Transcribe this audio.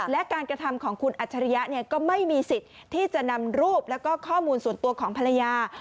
และการกระทำของคุณอัจฉริยะก็ไม่มีสิทธิ์ที่จะนำรูปแล้วก็ข้อมูลส่วนตัวของภรรยา